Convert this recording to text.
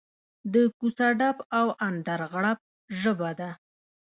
د کوڅه ډب او اندرغړب ژبه ده.